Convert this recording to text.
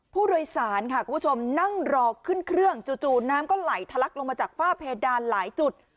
ผู้โดยสารค่ะคุณผู้ชมนั่งรอขึ้นเครื่องจู่น้ำก็ไหลทะลักลงมาจากฝ้าเพดานหลายจุด